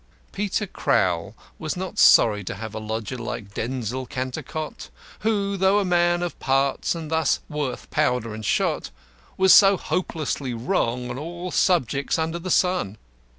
Peter Crowl was not sorry to have a lodger like Denzil Cantercot, who, though a man of parts and thus worth powder and shot, was so hopelessly wrong on all subjects under the sun.